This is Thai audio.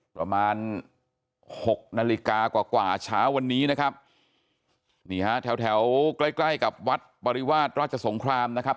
ประมาณหกนาฬิกากว่ากว่าเช้าวันนี้นะครับนี่ฮะแถวแถวใกล้ใกล้กับวัดบริวาสราชสงครามนะครับ